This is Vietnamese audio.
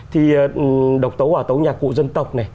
thi độc tấu hòa tấu nhạc cụ dân tộc